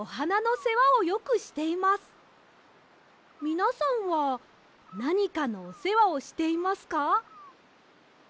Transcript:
みなさんはなにかのおせわをしていますか？